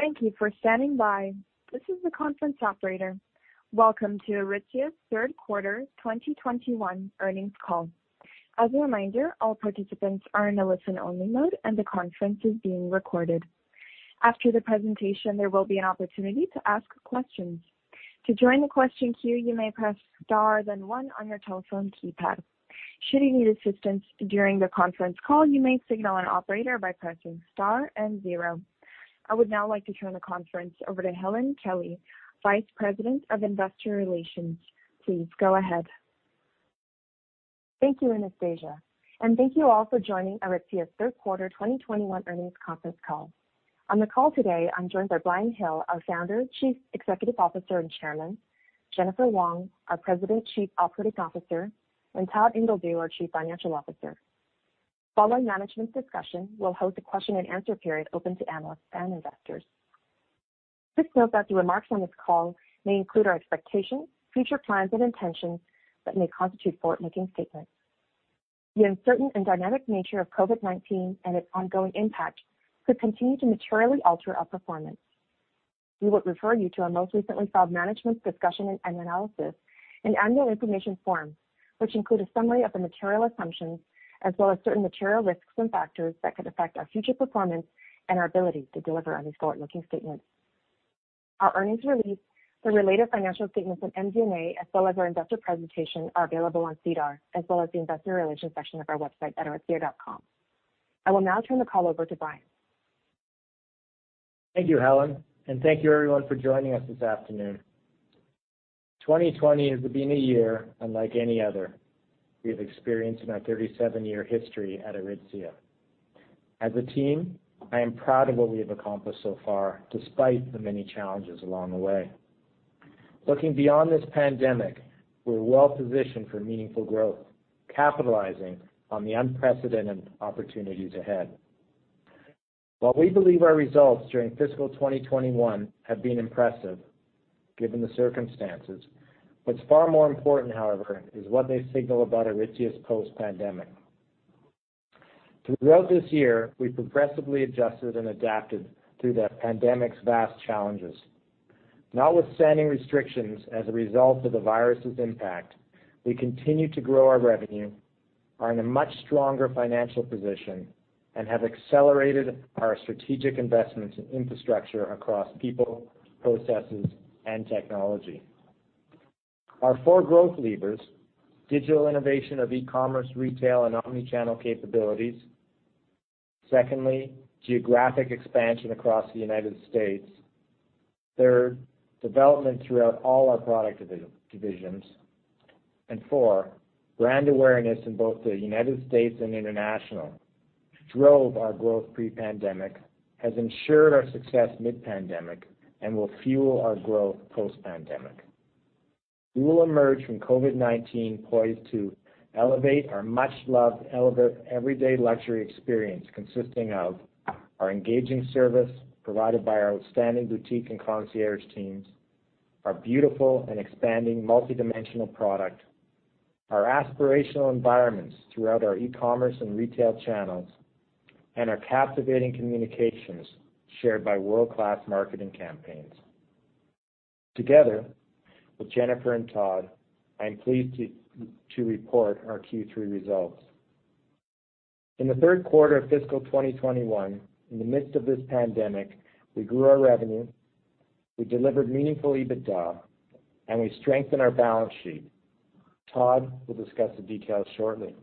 Thank you for standing by. This is the conference operator. Welcome to Aritzia's Third Quarter 2021 Earnings Call. As a reminder, all participants are in a listen-only mode, and the conference is being recorded. After the presentation, there will be an opportunity to ask questions. To join the question queue, you may press star then one on your telephone keypad. Should you need assistance during the conference call, you may signal an operator by pressing star and zero. I would now like to turn the conference over to Helen Kelly, Vice President of Investor Relations. Please go ahead. Thank you, Anastasia, and thank you all for joining Aritzia's Third Quarter 2021 Earnings Conference Call. On the call today, I am joined by Brian Hill, our Founder, Chief Executive Officer, and Chairman, Jennifer Wong, our President, Chief Operating Officer, and Todd Ingledew, our Chief Financial Officer. Following management's discussion, we will host a question and answer period open to analysts and investors. Please note that the remarks on this call may include our expectations, future plans, and intentions that may constitute forward-looking statements. The uncertain and dynamic nature of COVID-19 and its ongoing impact could continue to materially alter our performance. We would refer you to our most recently filed Management Discussion and Analysis and Annual Information Forms, which include a summary of the material assumptions as well as certain material risks and factors that could affect our future performance and our ability to deliver on these forward-looking statements. Our earnings release, the related financial statements and MD&A, as well as our investor presentation are available on SEDAR, as well as the investor relations section of our website at aritzia.com. I will now turn the call over to Brian. Thank you, Helen, and thank you everyone for joining us this afternoon. 2020 has been a year unlike any other we have experienced in our 37-year history at Aritzia. As a team, I am proud of what we have accomplished so far, despite the many challenges along the way. Looking beyond this pandemic, we're well-positioned for meaningful growth, capitalizing on the unprecedented opportunities ahead. While we believe our results during fiscal 2021 have been impressive given the circumstances, what's far more important, however, is what they signal about Aritzia's post-pandemic. Throughout this year, we progressively adjusted and adapted to the pandemic's vast challenges. Notwithstanding restrictions as a result of the virus's impact, we continue to grow our revenue, are in a much stronger financial position, and have accelerated our strategic investments in infrastructure across people, processes, and technology. Our four growth levers, digital innovation of e-commerce, retail, and omnichannel capabilities, secondly, geographic expansion across the United States, third, development throughout all our product divisions, and four, brand awareness in both the United States and international, drove our growth pre-pandemic, has ensured our success mid-pandemic, and will fuel our growth post-pandemic. We will emerge from COVID-19 poised to elevate our much-loved everyday luxury experience consisting of our engaging service provided by our outstanding boutique and concierge teams, our beautiful and expanding multidimensional product, our aspirational environments throughout our e-commerce and retail channels, and our captivating communications shared by world-class marketing campaigns. Together with Jennifer and Todd, I am pleased to report our Q3 results. In the third quarter of fiscal 2021, in the midst of this pandemic, we grew our revenue, we delivered meaningful EBITDA, and we strengthened our balance sheet. Todd will discuss the details shortly.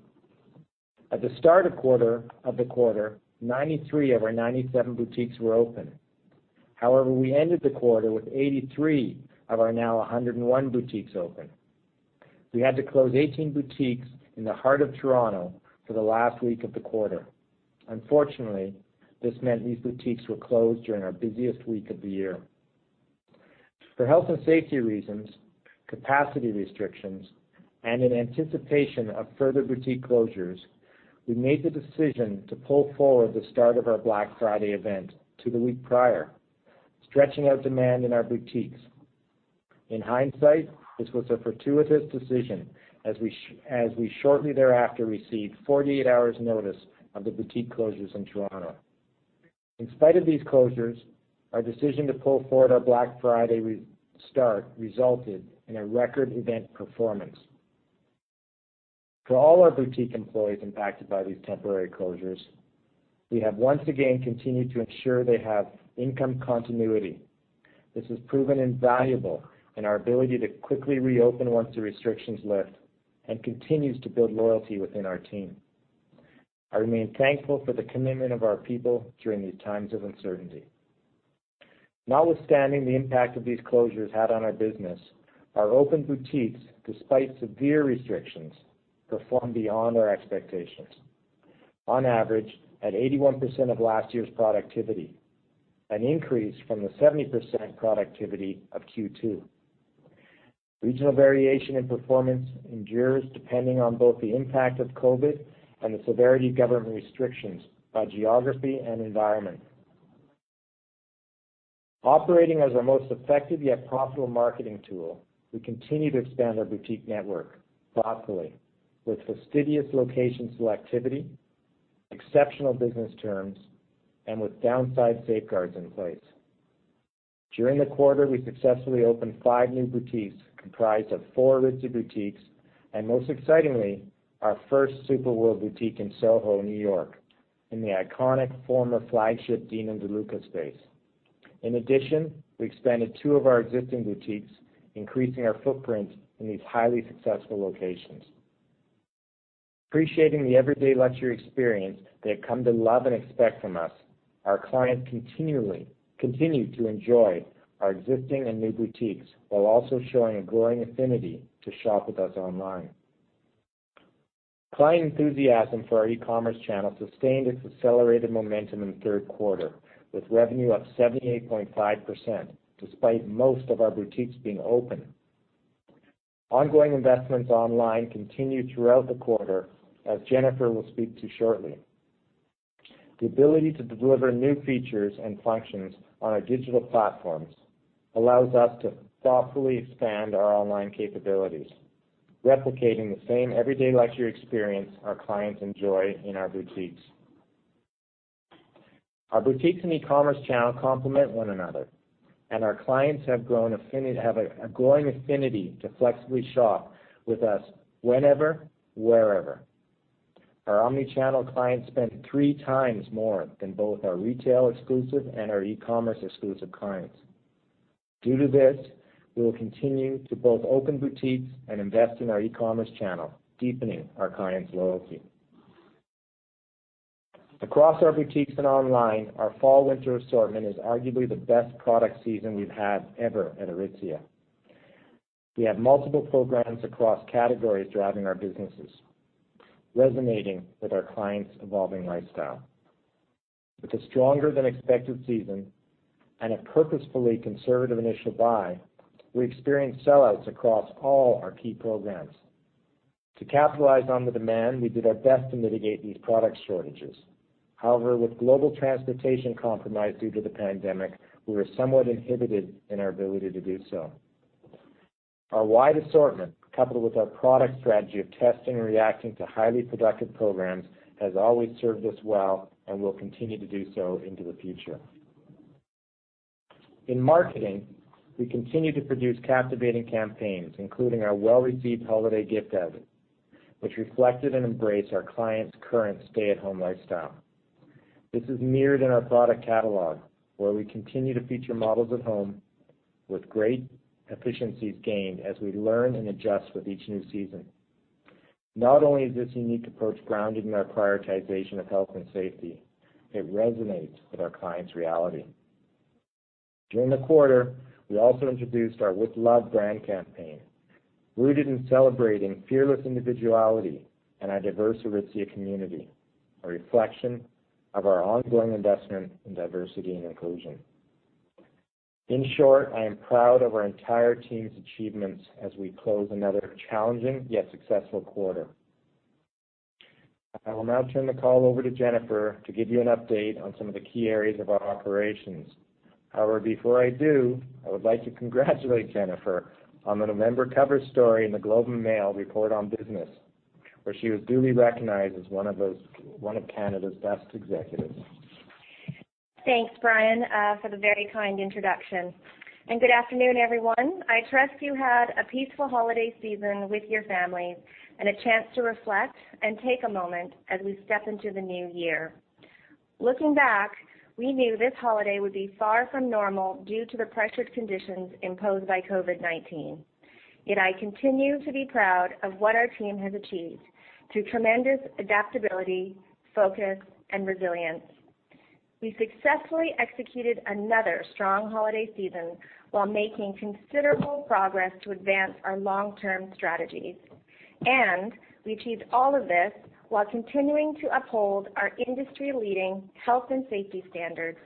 At the start of the quarter, 93 of our 97 boutiques were open. However, we ended the quarter with 83 of our now 101 boutiques open. We had to close 18 boutiques in the heart of Toronto for the last week of the quarter. Unfortunately, this meant these boutiques were closed during our busiest week of the year. For health and safety reasons, capacity restrictions, and in anticipation of further boutique closures, we made the decision to pull forward the start of our Black Friday event to the week prior, stretching out demand in our boutiques. In hindsight, this was a fortuitous decision as we shortly thereafter received 48 hours notice of the boutique closures in Toronto. In spite of these closures, our decision to pull forward our Black Friday start resulted in a record event performance. For all our boutique employees impacted by these temporary closures, we have once again continued to ensure they have income continuity. This has proven invaluable in our ability to quickly reopen once the restrictions lift and continues to build loyalty within our team. I remain thankful for the commitment of our people during these times of uncertainty. Notwithstanding the impact of these closures had on our business, our open boutiques, despite severe restrictions, performed beyond our expectations, on average at 81% of last year's productivity, an increase from the 70% productivity of Q2. Regional variation in performance endures depending on both the impact of COVID and the severity of government restrictions by geography and environment. Operating as our most effective yet profitable marketing tool, we continue to expand our boutique network thoughtfully with fastidious location selectivity, exceptional business terms, and with downside safeguards in place. During the quarter, we successfully opened five new boutiques comprised of four Aritzia boutiques, and most excitingly, our first Super World boutique in SoHo, New York, in the iconic former flagship Dean & DeLuca space. In addition, we expanded two of our existing boutiques, increasing our footprint in these highly successful locations. Appreciating the everyday luxury experience they have come to love and expect from us, our clients continue to enjoy our existing and new boutiques, while also showing a growing affinity to shop with us online. Client enthusiasm for our e-commerce channel sustained its accelerated momentum in the third quarter, with revenue up 78.5%, despite most of our boutiques being open. Ongoing investments online continued throughout the quarter, as Jennifer will speak to shortly. The ability to deliver new features and functions on our digital platforms allows us to thoughtfully expand our online capabilities, replicating the same everyday luxury experience our clients enjoy in our boutiques. Our boutiques and e-commerce channel complement one another, and our clients have a growing affinity to flexibly shop with us whenever, wherever. Our omni-channel clients spend three times more than both our retail exclusive and our e-commerce exclusive clients. Due to this, we will continue to both open boutiques and invest in our e-commerce channel, deepening our clients' loyalty. Across our boutiques and online, our fall/winter assortment is arguably the best product season we've had ever at Aritzia. We have multiple programs across categories driving our businesses, resonating with our clients' evolving lifestyle. With a stronger than expected season and a purposefully conservative initial buy, we experienced sellouts across all our key programs. To capitalize on the demand, we did our best to mitigate these product shortages. However, with global transportation compromised due to the pandemic, we were somewhat inhibited in our ability to do so. Our wide assortment, coupled with our product strategy of testing and reacting to highly productive programs, has always served us well and will continue to do so into the future. In marketing, we continue to produce captivating campaigns, including our well-received holiday gift guide, which reflected and embraced our clients' current stay-at-home lifestyle. This is mirrored in our product catalog, where we continue to feature models at home with great efficiencies gained as we learn and adjust with each new season. Not only is this unique approach grounded in our prioritization of health and safety, it resonates with our clients' reality. During the quarter, we also introduced our "With Love" brand campaign, rooted in celebrating fearless individuality in our diverse Aritzia community, a reflection of our ongoing investment in diversity and inclusion. In short, I am proud of our entire team's achievements as we close another challenging yet successful quarter. I will now turn the call over to Jennifer to give you an update on some of the key areas of our operations. However, before I do, I would like to congratulate Jennifer on the November cover story in The Globe and Mail Report on Business, where she was duly recognized as one of Canada's best executives. Thanks, Brian, for the very kind introduction. Good afternoon, everyone. I trust you had a peaceful holiday season with your families and a chance to reflect and take a moment as we step into the new year. Looking back, we knew this holiday would be far from normal due to the pressured conditions imposed by COVID-19. I continue to be proud of what our team has achieved through tremendous adaptability, focus, and resilience. We successfully executed another strong holiday season while making considerable progress to advance our long-term strategies. We achieved all of this while continuing to uphold our industry-leading health and safety standards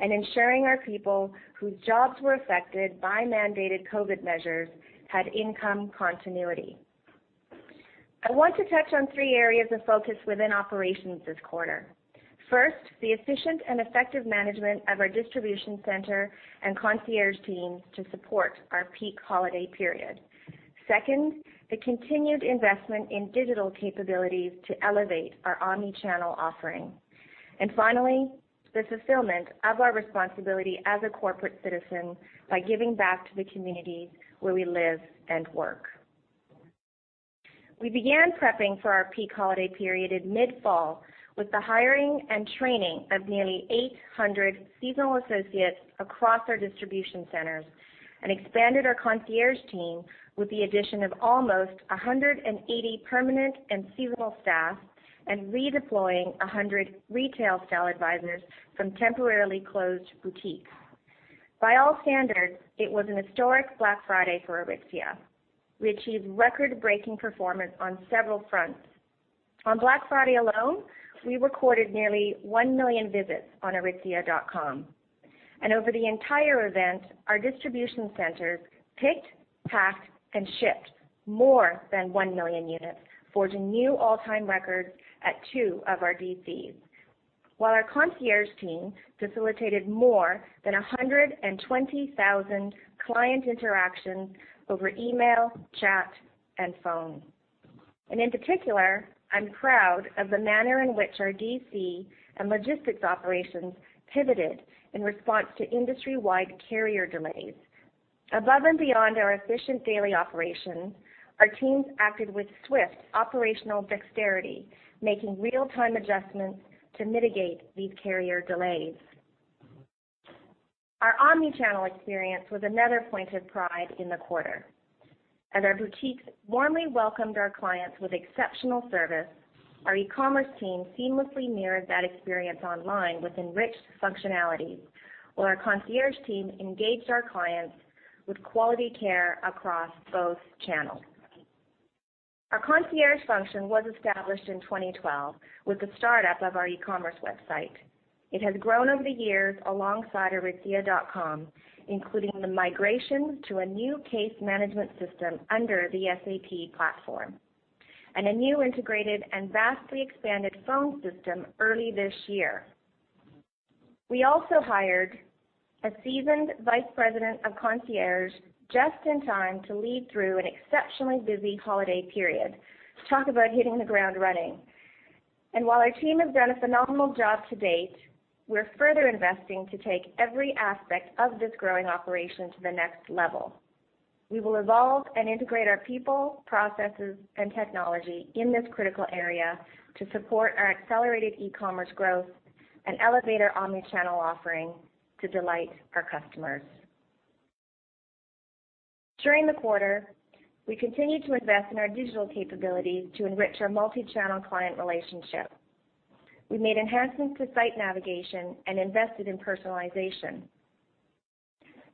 and ensuring our people whose jobs were affected by mandated COVID measures had income continuity. I want to touch on three areas of focus within operations this quarter. First, the efficient and effective management of our distribution center and concierge team to support our peak holiday period. Second, the continued investment in digital capabilities to elevate our omni-channel offering. Finally, the fulfillment of our responsibility as a corporate citizen by giving back to the communities where we live and work. We began prepping for our peak holiday period in mid-fall with the hiring and training of nearly 800 seasonal associates across our distribution centers and expanded our concierge team with the addition of almost 180 permanent and seasonal staff and redeploying 100 retail style advisors from temporarily closed boutiques. By all standards, it was an historic Black Friday for Aritzia. We achieved record-breaking performance on several fronts. On Black Friday alone, we recorded nearly one million visits on aritzia.com. Over the entire event, our distribution centers picked, packed, and shipped more than one million units, forging new all-time records at two of our DCs. While our concierge team facilitated more than 120,000 client interactions over email, chat, and phone. In particular, I'm proud of the manner in which our DC and logistics operations pivoted in response to industry-wide carrier delays. Above and beyond our efficient daily operations, our teams acted with swift operational dexterity, making real-time adjustments to mitigate these carrier delays. Our omni-channel experience was another point of pride in the quarter. Our boutiques warmly welcomed our clients with exceptional service, our e-commerce team seamlessly mirrored that experience online with enriched functionalities, while our concierge team engaged our clients with quality care across both channels. Our concierge function was established in 2012 with the startup of our e-commerce website. It has grown over the years alongside aritzia.com, including the migration to a new case management system under the SAP platform, and a new integrated and vastly expanded phone system early this year. We also hired a seasoned vice president of concierge just in time to lead through an exceptionally busy holiday period. Talk about hitting the ground running. While our team has done a phenomenal job to date, we're further investing to take every aspect of this growing operation to the next level. We will evolve and integrate our people, processes, and technology in this critical area to support our accelerated e-commerce growth and elevate our omni-channel offering to delight our customers. During the quarter, we continued to invest in our digital capabilities to enrich our multi-channel client relationship. We made enhancements to site navigation and invested in personalization.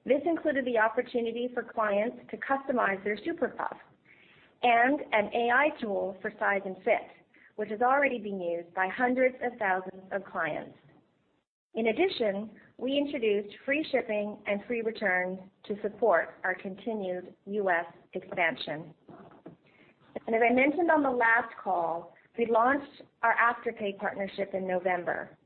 This included the opportunity for clients to customize their Super Puff and an AI tool for size and fit, which is already being used by hundreds of thousands of clients. We introduced free shipping and free returns to support our continued U.S. expansion. As I mentioned on the last call, we launched our Afterpay partnership in November.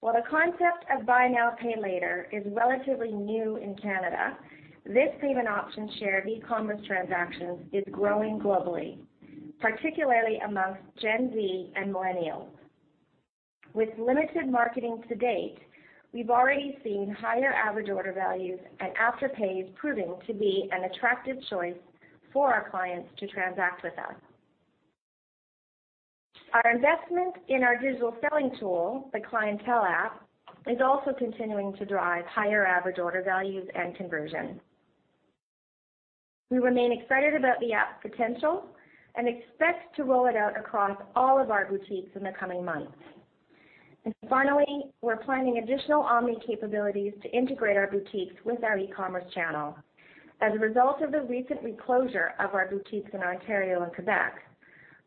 While the concept of buy now, pay later is relatively new in Canada, this payment option share of e-commerce transactions is growing globally, particularly amongst Gen Z and millennials. With limited marketing to date, we've already seen higher average order values, and Afterpay is proving to be an attractive choice for our clients to transact with us. Our investment in our digital selling tool, the Clientele app, is also continuing to drive higher average order values and conversion. We remain excited about the app's potential and expect to roll it out across all of our boutiques in the coming months. Finally, we're planning additional omni capabilities to integrate our boutiques with our e-commerce channel. As a result of the recent reclosure of our boutiques in Ontario and Quebec,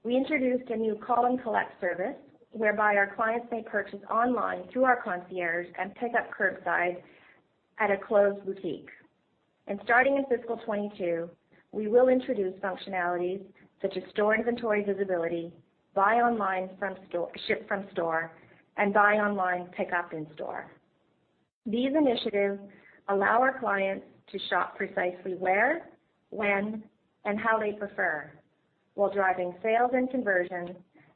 we introduced a new Call and Collect service whereby our clients may purchase online through our concierge and pick up curbside at a closed boutique. Starting in fiscal 2022, we will introduce functionalities such as store inventory visibility, Buy Online Ship From Store, and Buy Online Pick Up In Store. These initiatives allow our clients to shop precisely where, when, and how they prefer, while driving sales and conversions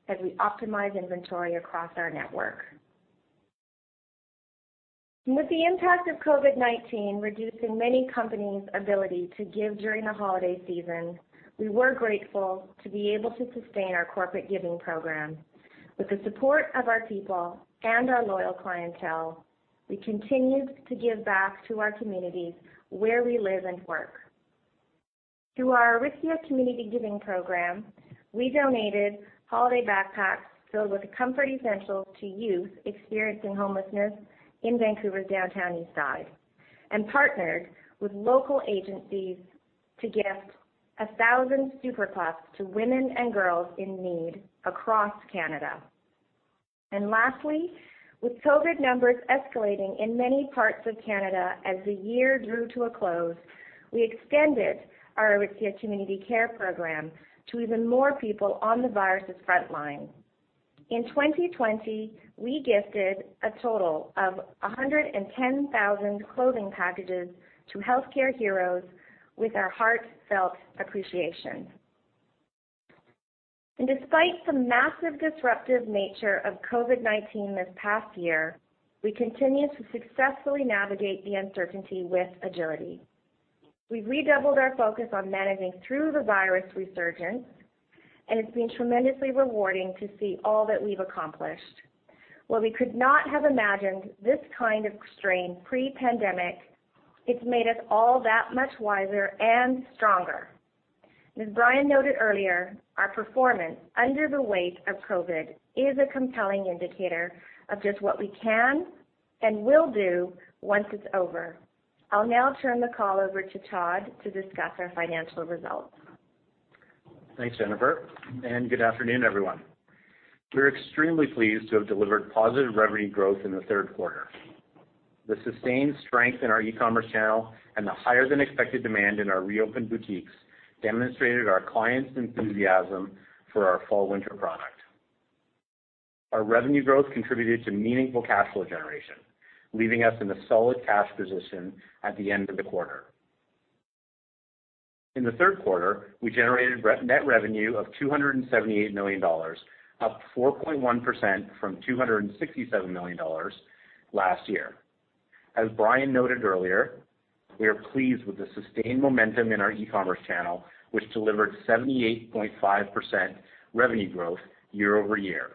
as we optimize inventory across our network. With the impact of COVID-19 reducing many companies' ability to give during the holiday season, we were grateful to be able to sustain our corporate giving program. With the support of our people and our loyal clientele, we continued to give back to our communities where we live and work. Through our Aritzia Community Giving Program, we donated holiday backpacks filled with comfort essentials to youth experiencing homelessness in Vancouver's downtown east side and partnered with local agencies to gift 1,000 Super Puffs to women and girls in need across Canada. Lastly, with COVID numbers escalating in many parts of Canada as the year drew to a close, we extended our Aritzia Community Care Program to even more people on the virus's front line. In 2020, we gifted a total of 110,000 clothing packages to healthcare heroes with our heartfelt appreciation. Despite the massive disruptive nature of COVID-19 this past year, we continued to successfully navigate the uncertainty with agility. We've redoubled our focus on managing through the virus resurgence, and it's been tremendously rewarding to see all that we've accomplished. While we could not have imagined this kind of strain pre-pandemic, it's made us all that much wiser and stronger. As Brian noted earlier, our performance under the weight of COVID is a compelling indicator of just what we can and will do once it's over. I'll now turn the call over to Todd to discuss our financial results. Thanks, Jennifer. Good afternoon, everyone. We are extremely pleased to have delivered positive revenue growth in the third quarter. The sustained strength in our e-commerce channel and the higher than expected demand in our reopened boutiques demonstrated our clients' enthusiasm for our fall/winter product. Our revenue growth contributed to meaningful cash flow generation, leaving us in a solid cash position at the end of the quarter. In the third quarter, we generated net revenue of 278 million dollars, up 4.1% from 267 million dollars last year. As Brian noted earlier, we are pleased with the sustained momentum in our e-commerce channel, which delivered 78.5% revenue growth year-over-year,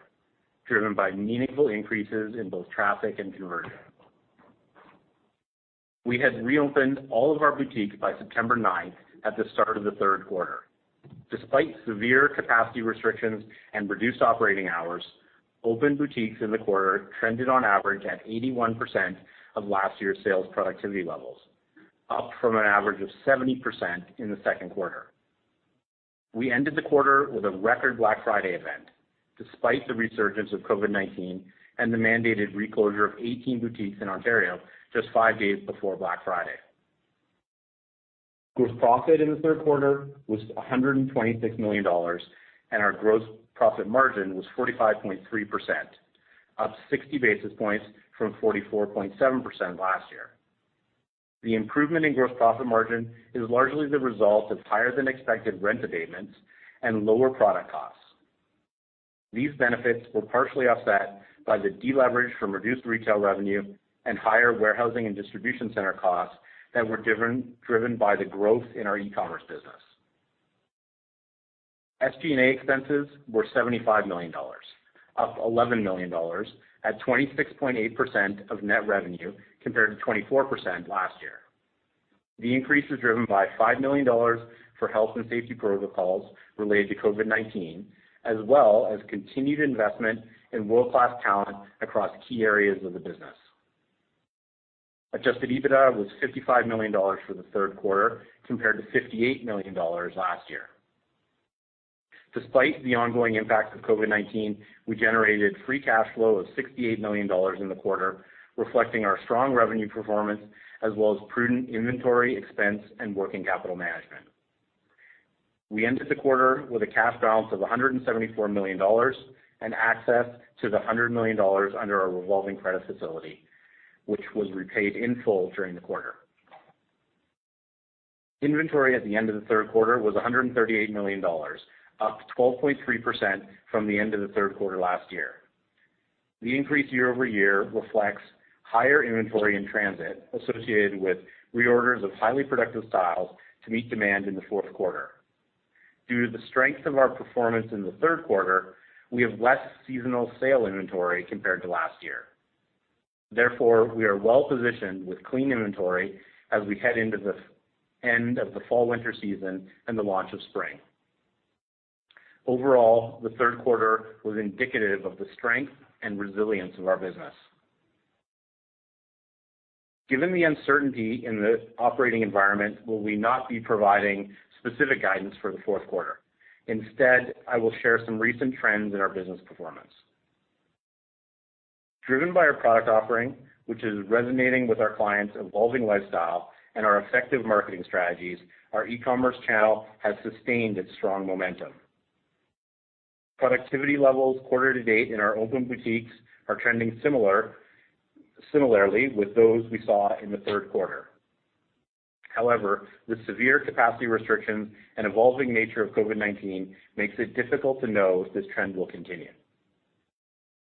driven by meaningful increases in both traffic and conversion. We had reopened all of our boutiques by September 9th at the start of the third quarter. Despite severe capacity restrictions and reduced operating hours, open boutiques in the quarter trended on average at 81% of last year's sales productivity levels, up from an average of 70% in the second quarter. We ended the quarter with a record Black Friday event, despite the resurgence of COVID-19 and the mandated reclosure of 18 boutiques in Ontario just five days before Black Friday. Gross profit in the third quarter was 126 million dollars, and our gross profit margin was 45.3%, up 60 basis points from 44.7% last year. The improvement in gross profit margin is largely the result of higher than expected rent abatements and lower product costs. These benefits were partially offset by the deleverage from reduced retail revenue and higher warehousing and distribution center costs that were driven by the growth in our e-commerce business. SG&A expenses were 75 million dollars, up 11 million dollars at 26.8% of net revenue, compared to 24% last year. The increase was driven by 5 million dollars for health and safety protocols related to COVID-19, as well as continued investment in world-class talent across key areas of the business. Adjusted EBITDA was 55 million dollars for the third quarter, compared to 58 million dollars last year. Despite the ongoing impacts of COVID-19, we generated free cash flow of 68 million dollars in the quarter, reflecting our strong revenue performance as well as prudent inventory expense and working capital management. We ended the quarter with a cash balance of 174 million dollars and access to the 100 million dollars under our revolving credit facility, which was repaid in full during the quarter. Inventory at the end of the third quarter was 138 million dollars, up 12.3% from the end of the third quarter last year. The increase year-over-year reflects higher inventory in transit associated with reorders of highly productive styles to meet demand in the fourth quarter. Due to the strength of our performance in the third quarter, we have less seasonal sale inventory compared to last year. We are well positioned with clean inventory as we head into the end of the fall/winter season and the launch of spring. Overall, the third quarter was indicative of the strength and resilience of our business. Given the uncertainty in the operating environment, we will not be providing specific guidance for the fourth quarter. I will share some recent trends in our business performance. Driven by our product offering, which is resonating with our clients' evolving lifestyle and our effective marketing strategies, our e-commerce channel has sustained its strong momentum. Productivity levels quarter to date in our open boutiques are trending similarly with those we saw in the third quarter. However, the severe capacity restrictions and evolving nature of COVID-19 makes it difficult to know if this trend will continue.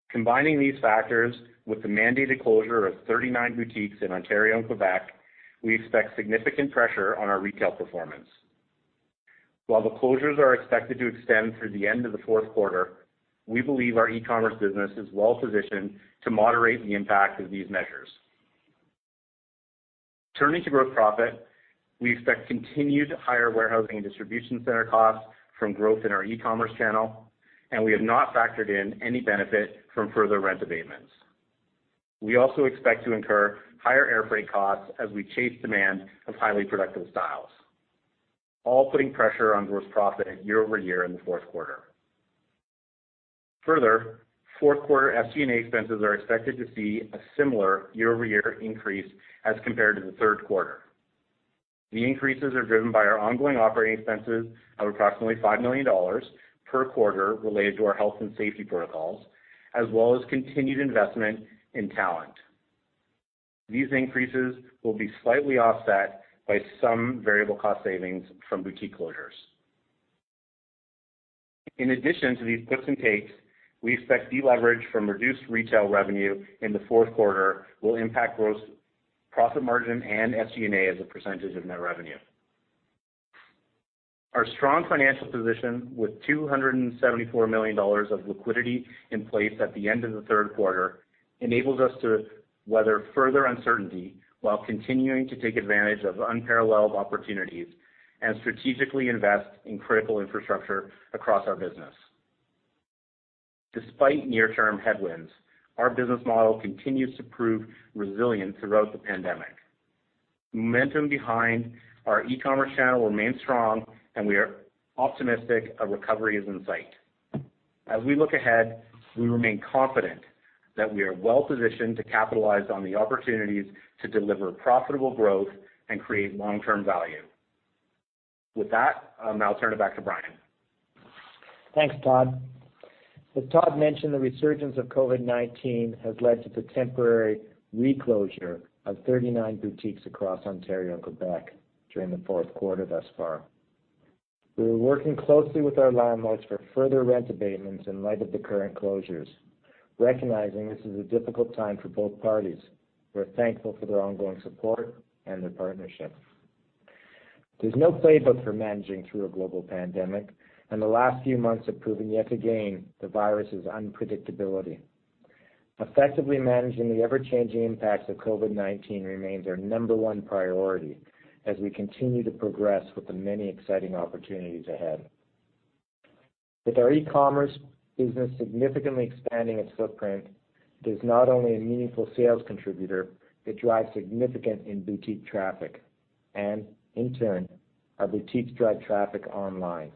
Combining these factors with the mandated closure of 39 boutiques in Ontario and Quebec, we expect significant pressure on our retail performance. While the closures are expected to extend through the end of the fourth quarter, we believe our e-commerce business is well positioned to moderate the impact of these measures. Turning to gross profit, we expect continued higher warehousing and distribution center costs from growth in our e-commerce channel, and we have not factored in any benefit from further rent abatements. We also expect to incur higher airfreight costs as we chase demand of highly productive styles, all putting pressure on gross profit year-over-year in the fourth quarter. Fourth quarter SG&A expenses are expected to see a similar year-over-year increase as compared to the third quarter. The increases are driven by our ongoing operating expenses of approximately 5 million dollars per quarter related to our health and safety protocols, as well as continued investment in talent. These increases will be slightly offset by some variable cost savings from boutique closures. In addition to these gives and takes, we expect deleverage from reduced retail revenue in the fourth quarter will impact gross profit margin and SG&A as a percentage of net revenue. Our strong financial position with 274 million dollars of liquidity in place at the end of the third quarter enables us to weather further uncertainty while continuing to take advantage of unparalleled opportunities and strategically invest in critical infrastructure across our business. Despite near-term headwinds, our business model continues to prove resilient throughout the pandemic. Momentum behind our e-commerce channel remains strong, and we are optimistic a recovery is in sight. As we look ahead, we remain confident that we are well-positioned to capitalize on the opportunities to deliver profitable growth and create long-term value. With that, I'll now turn it back to Brian. Thanks, Todd. As Todd mentioned, the resurgence of COVID-19 has led to the temporary reclosure of 39 boutiques across Ontario and Quebec during the fourth quarter thus far. We are working closely with our landlords for further rent abatements in light of the current closures. Recognizing this is a difficult time for both parties, we're thankful for their ongoing support and their partnership. There's no playbook for managing through a global pandemic, and the last few months have proven yet again the virus's unpredictability. Effectively managing the ever-changing impacts of COVID-19 remains our number one priority as we continue to progress with the many exciting opportunities ahead. With our e-commerce business significantly expanding its footprint, it is not only a meaningful sales contributor, it drives significant in-boutique traffic, and in turn, our boutiques drive traffic online.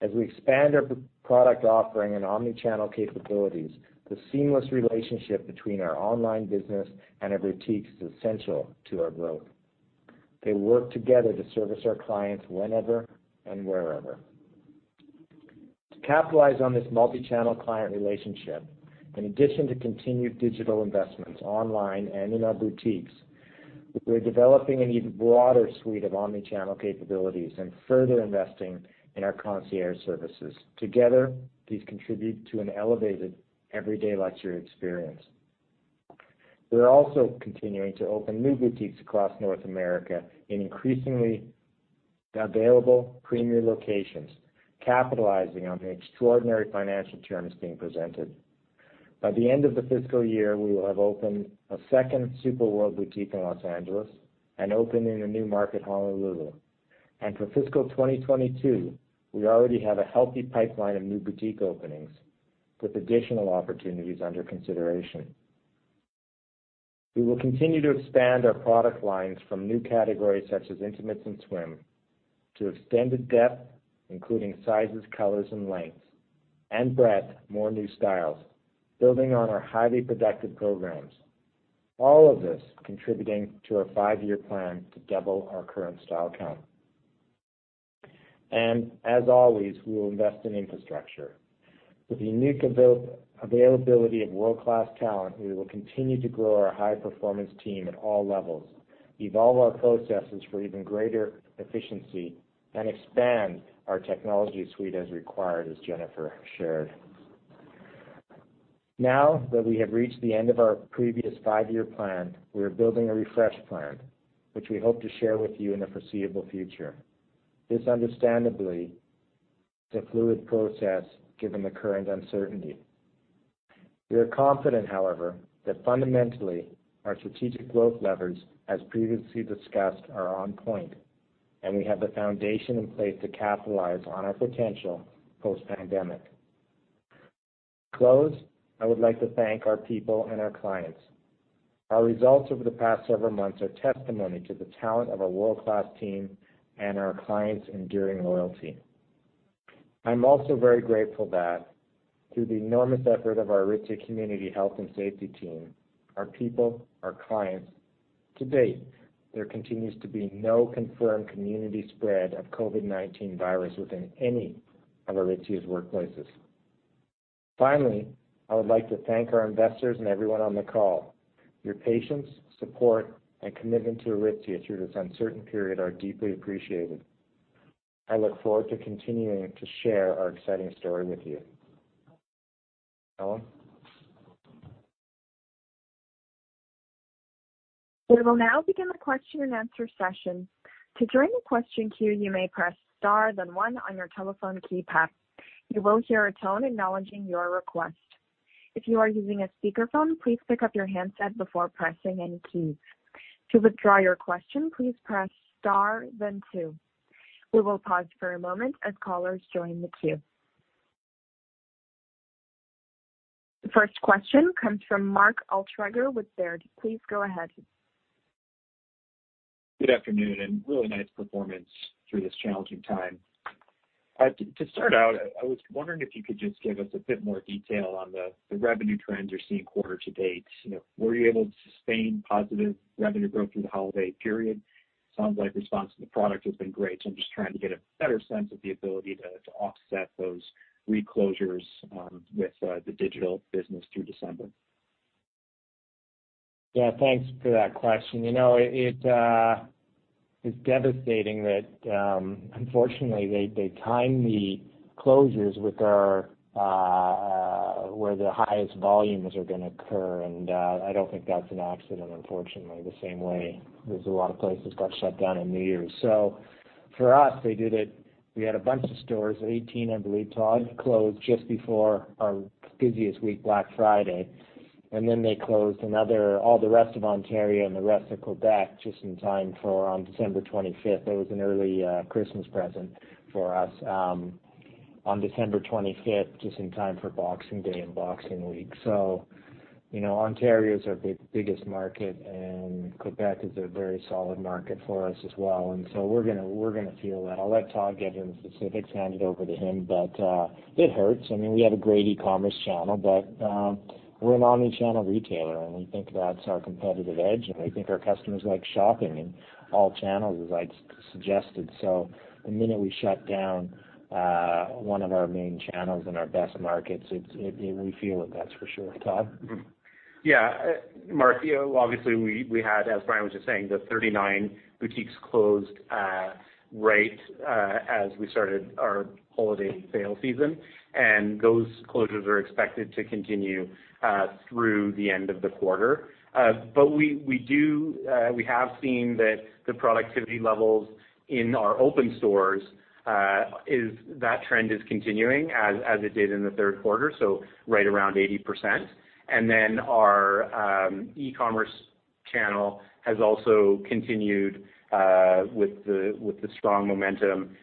As we expand our product offering and omni-channel capabilities, the seamless relationship between our online business and our boutiques is essential to our growth. They work together to service our clients whenever and wherever. To capitalize on this multi-channel client relationship, in addition to continued digital investments online and in our boutiques, we are developing an even broader suite of omni-channel capabilities and further investing in our concierge services. Together, these contribute to an elevated everyday luxury experience. We are also continuing to open new boutiques across North America in increasingly available premier locations, capitalizing on the extraordinary financial terms being presented. By the end of the fiscal year, we will have opened a second Supernova boutique in Los Angeles and opened in a new market, Honolulu. For fiscal 2022, we already have a healthy pipeline of new boutique openings, with additional opportunities under consideration. We will continue to expand our product lines from new categories such as intimates and swim to extended depth, including sizes, colors, and lengths, and breadth, more new styles, building on our highly productive programs. All of this contributing to our five-year plan to double our current style count. As always, we will invest in infrastructure. With the unique availability of world-class talent, we will continue to grow our high-performance team at all levels, evolve our processes for even greater efficiency, and expand our technology suite as required, as Jennifer shared. Now that we have reached the end of our previous five-year plan, we are building a refresh plan, which we hope to share with you in the foreseeable future. This understandably is a fluid process given the current uncertainty. We are confident, however, that fundamentally, our strategic growth levers, as previously discussed, are on point, and we have the foundation in place to capitalize on our potential post-pandemic. To close, I would like to thank our people and our clients. Our results over the past several months are testimony to the talent of our world-class team and our clients' enduring loyalty. I'm also very grateful that through the enormous effort of our Aritzia Community Health and Safety team, our people, our clients, to date, there continues to be no confirmed community spread of COVID-19 virus within any of Aritzia's workplaces. I would like to thank our investors and everyone on the call. Your patience, support, and commitment to Aritzia through this uncertain period are deeply appreciated. I look forward to continuing to share our exciting story with you. Helen? We will now begin the question and answer session. To join the question queue, you may press star then one on your telephone keypad. You will hear a tone acknowledging your request. If you are using a speakerphone, please pick up your handset before pressing any keys. To withdraw your question, please press star then two. We will pause for a moment as callers join the queue. The first question comes from Mark Altschwager with Baird. Please go ahead. Good afternoon, and really nice performance through this challenging time. To start out, I was wondering if you could just give us a bit more detail on the revenue trends you're seeing quarter to date. Were you able to sustain positive revenue growth through the holiday period? Sounds like response to the product has been great, so I'm just trying to get a better sense of the ability to offset those reclosures with the digital business through December. Yeah, thanks for that question. It's devastating that unfortunately they time the closures where the highest volumes are going to occur, and I don't think that's an accident, unfortunately, the same way as a lot of places got shut down on New Year's. For us, we had a bunch of stores, 18, I believe, Todd, close just before our busiest week, Black Friday. They closed all the rest of Ontario and the rest of Quebec just in time for on December 25th. That was an early Christmas present for us on December 25th, just in time for Boxing Day and Boxing Week. Ontario is our biggest market, and Quebec is a very solid market for us as well. We're going to feel that. I'll let Todd get into the specifics, hand it over to him. It hurts. We have a great e-commerce channel, but we're an omni-channel retailer, and we think that's our competitive edge, and we think our customers like shopping in all channels, as I suggested. The minute we shut down one of our main channels in our best markets, we feel it, that's for sure. Todd? Yeah. Mark, obviously, we had, as Brian was just saying, the 39 boutiques closed right as we started our holiday sale season. Those closures are expected to continue through the end of the quarter. We have seen that the productivity levels in our open stores, that trend is continuing as it did in the third quarter, so right around 80%. Our e-commerce channel has also continued with the strong momentum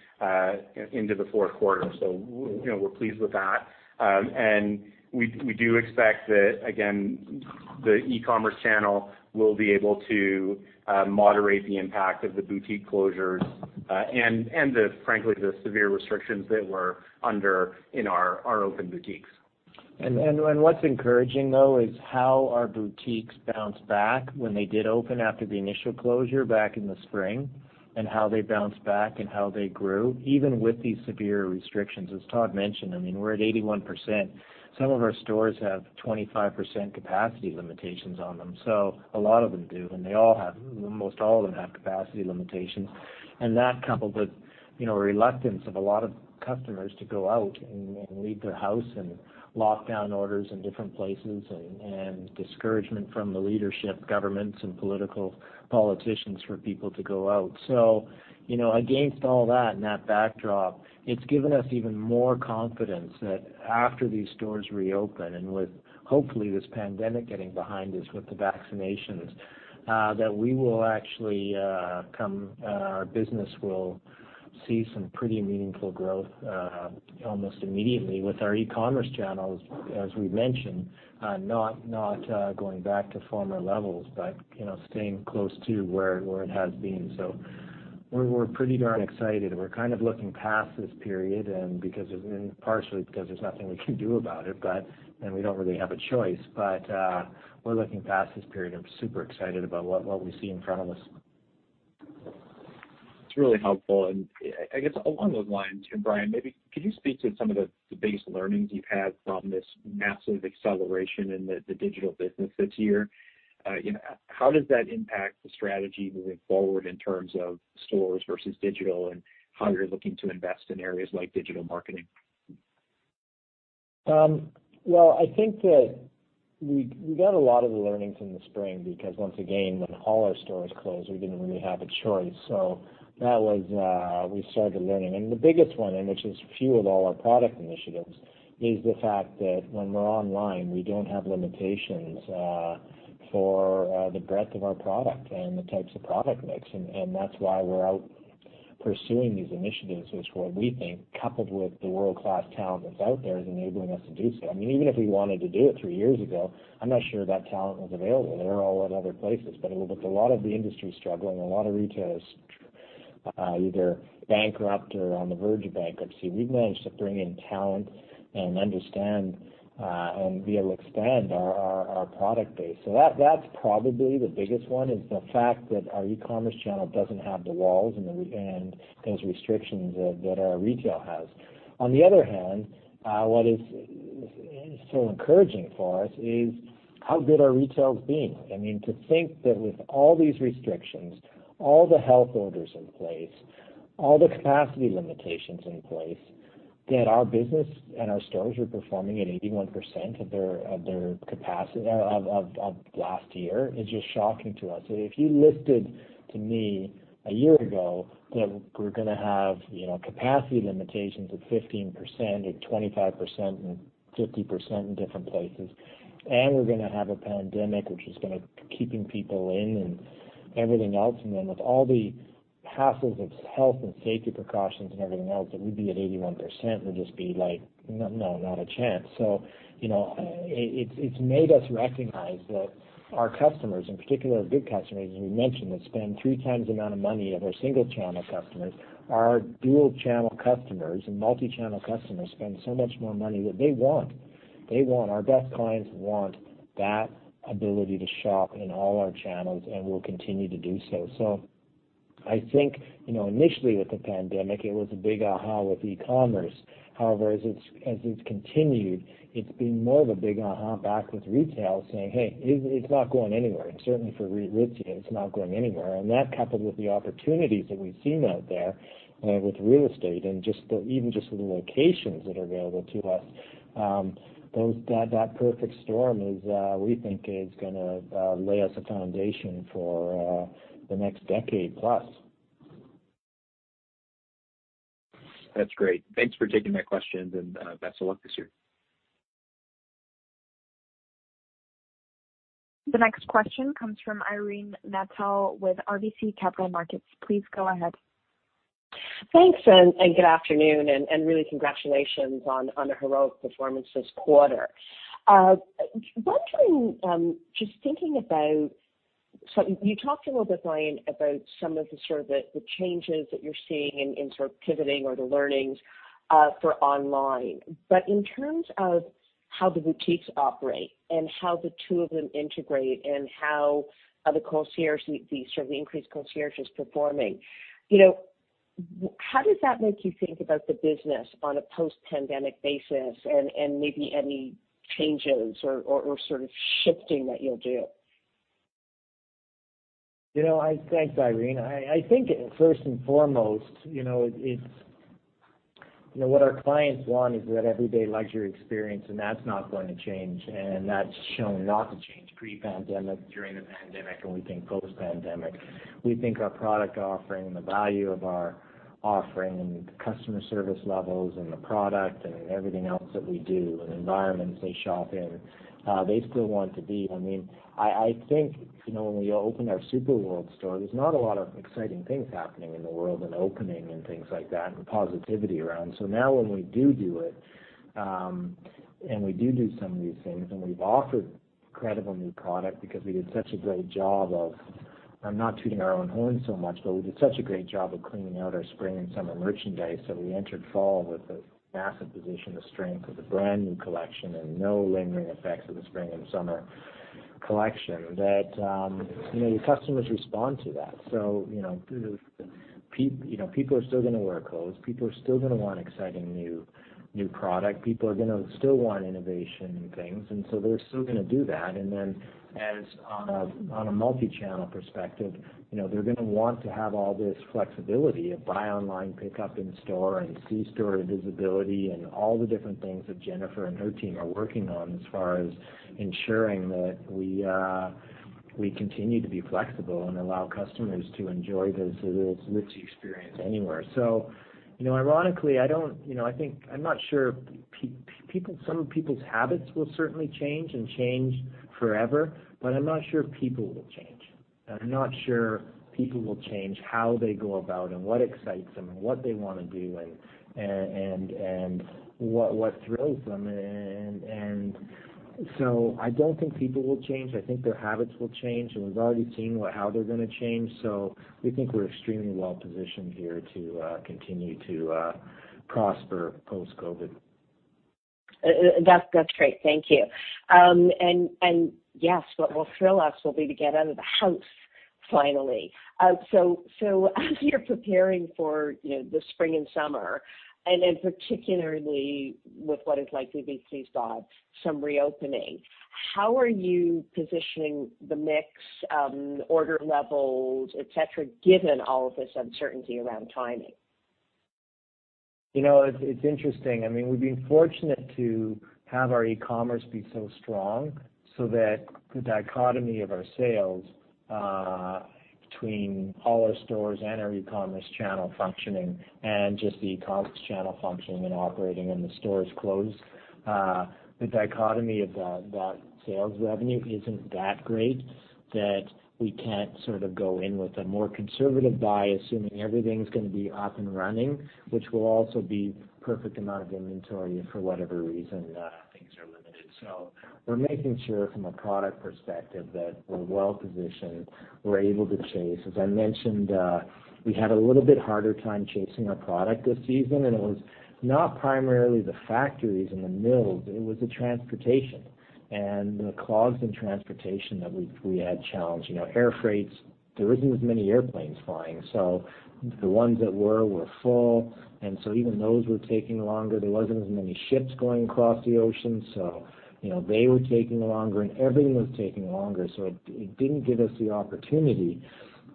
into the fourth quarter. We're pleased with that. We do expect that, again, the e-commerce channel will be able to moderate the impact of the boutique closures and frankly, the severe restrictions that we're under in our open boutiques. What's encouraging, though, is how our boutiques bounced back when they did open after the initial closure back in the spring and how they bounced back and how they grew, even with these severe restrictions. As Todd mentioned, we're at 81%. Some of our stores have 25% capacity limitations on them, so a lot of them do, and most all of them have capacity limitations. That coupled with reluctance of a lot of customers to go out and leave their house, and lockdown orders in different places, and discouragement from the leadership, governments, and politicians for people to go out. Against all that and that backdrop, it's given us even more confidence that after these stores reopen, and with hopefully this pandemic getting behind us with the vaccinations, that our business will see some pretty meaningful growth almost immediately with our e-commerce channels, as we've mentioned, not going back to former levels, but staying close to where it has been. We're pretty darn excited. We're kind of looking past this period, and partially because there's nothing we can do about it, and we don't really have a choice, but we're looking past this period. I'm super excited about what we see in front of us. It's really helpful. I guess along those lines, Brian, maybe could you speak to some of the biggest learnings you've had from this massive acceleration in the digital business this year? How does that impact the strategy moving forward in terms of stores versus digital and how you're looking to invest in areas like digital marketing? Well, I think that we got a lot of the learnings in the spring because once again, when all our stores closed, we didn't really have a choice. That was we started learning. The biggest one, and which has fueled all our product initiatives, is the fact that when we're online, we don't have limitations for the breadth of our product and the types of product mix. That's why we're out pursuing these initiatives, is what we think, coupled with the world-class talent that's out there, is enabling us to do so. Even if we wanted to do it three years ago, I'm not sure that talent was available. They were all at other places. With a lot of the industry struggling, a lot of retailers either bankrupt or on the verge of bankruptcy, we've managed to bring in talent and understand and be able to expand our product base. That's probably the biggest one, is the fact that our e-commerce channel doesn't have the walls and those restrictions that our retail has. On the other hand, what is so encouraging for us is how good our retail's been. To think that with all these restrictions, all the health orders in place, all the capacity limitations in place, that our business and our stores are performing at 81% of last year is just shocking to us. If you listened to me a year ago that we're going to have capacity limitations of 15% or 25% and 50% in different places, and we're going to have a pandemic, which is going to keeping people in and everything else, and then with all the hassles of health and safety precautions and everything else, that we'd be at 81% would just be like, "No, not a chance." It's made us recognize that our customers, in particular our good customers, as we mentioned, that spend three times the amount of money of our single-channel customers, our dual-channel customers and multi-channel customers spend so much more money that they want. Our best clients want that ability to shop in all our channels and will continue to do so. I think initially with the pandemic, it was a big aha with e-commerce. However, as it's continued, it's been more of a big aha back with retail saying, "Hey, it's not going anywhere." Certainly for Aritzia, it's not going anywhere. That coupled with the opportunities that we've seen out there with real estate and even just with the locations that are available to us, that perfect storm we think is going to lay us a foundation for the next decade plus. That's great. Thanks for taking my questions, and best of luck this year. The next question comes from Irene Nattel with RBC Capital Markets. Please go ahead. Thanks, and good afternoon, and really congratulations on a heroic performance this quarter. You talked a little bit, Brian, about some of the changes that you're seeing in pivoting or the learnings for online. In terms of how the boutiques operate and how the two of them integrate and how the increased concierge is performing, how does that make you think about the business on a post-pandemic basis and maybe any changes or shifting that you'll do? Thanks, Irene. I think first and foremost, what our clients want is that everyday luxury experience, and that's not going to change, and that's shown not to change pre-pandemic, during the pandemic, and we think post-pandemic. We think our product offering and the value of our offering and the customer service levels and the product and everything else that we do and the environments they shop in, they still want to be. I think when we open our Super World store, there's not a lot of exciting things happening in the world and opening and things like that and positivity around. Now when we do it, and we do some of these things, and we've offered incredible new product because we did such a great job of, I'm not tooting our own horn so much, but we did such a great job of cleaning out our spring and summer merchandise that we entered fall with a massive position of strength with a brand-new collection and no lingering effects of the spring and summer collection that your customers respond to that. People are still going to wear clothes. People are still going to want exciting new product. People are going to still want innovation in things, they're still going to do that. As on a multi-channel perspective, they're going to want to have all this flexibility of buy online, pick up in store and see store visibility and all the different things that Jennifer and her team are working on as far as ensuring that we continue to be flexible and allow customers to enjoy this Aritzia experience anywhere. Ironically, I'm not sure some people's habits will certainly change and change forever, but I'm not sure people will change. I'm not sure people will change how they go about and what excites them and what they want to do and what thrills them. I don't think people will change. I think their habits will change, and we've already seen how they're going to change. We think we're extremely well-positioned here to continue to prosper post-COVID. That's great. Thank you. Yes, what will thrill us will be to get out of the house finally. As you're preparing for the spring and summer, and then particularly with what is likely to be, at least God, some reopening, how are you positioning the mix, order levels, et cetera, given all of this uncertainty around timing? It's interesting. We've been fortunate to have our e-commerce be so strong so that the dichotomy of our sales between all our stores and our e-commerce channel functioning and just the e-commerce channel functioning and operating and the stores closed. The dichotomy of that sales revenue isn't that great that we can't sort of go in with a more conservative buy, assuming everything's going to be up and running, which will also be the perfect amount of inventory for whatever reason things are limited. We're making sure from a product perspective that we're well-positioned, we're able to chase. As I mentioned, we had a little bit harder time chasing our product this season, and it was not primarily the factories and the mills. It was the transportation and the clogs in transportation that we had challenged. Air freights, there isn't as many airplanes flying. The ones that were full, and even those were taking longer. There wasn't as many ships going across the ocean, they were taking longer, and everything was taking longer. It didn't give us the opportunity